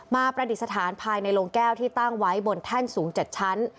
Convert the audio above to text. ประดิษฐานภายในโรงแก้วที่ตั้งไว้บนแท่นสูง๗ชั้น